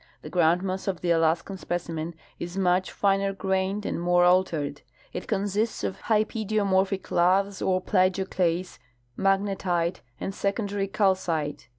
The groundmass of the Alaskan specimen is much finer grained and more altered. It consists of hypidiomorphic laths of plagioclase, magnetite, and secondary calcite.